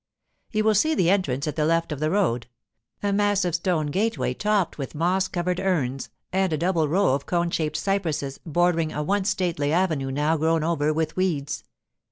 You will see the entrance at the left of the road—a massive stone gateway topped with moss covered urns and a double row of cone shaped cypresses bordering a once stately avenue now grown over with weeds.